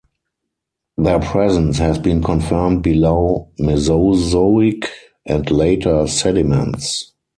Their presence has been confirmed below Mesozoic and later sediments.